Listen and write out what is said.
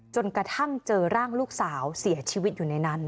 จนกระทั่งเจอร่างลูกสาวเสียชีวิตอยู่ในนั้น